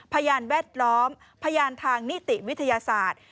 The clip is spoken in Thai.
พยานแวดล้อมพยานทางนิติวิทยาศาสตร์